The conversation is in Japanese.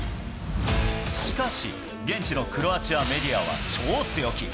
しかし、現地のクロアチアメディアは超強気。